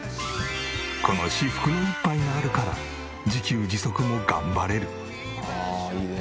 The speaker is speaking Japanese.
この至福の１杯があるから自給自足も頑張れる。